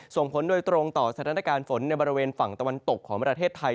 ส่งผลโดยตรงต่อสถานการณ์ฝนในบริเวณฝั่งตะวันตกของประเทศไทย